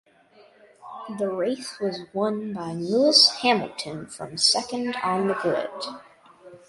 The race was won by Lewis Hamilton from second on the grid.